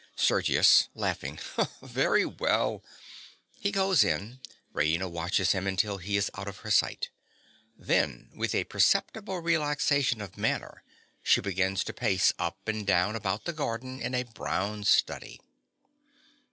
SERGIUS. Very well. (_He goes in. Raina watches him until he is out of her sight. Then, with a perceptible relaxation of manner, she begins to pace up and down about the garden in a brown study.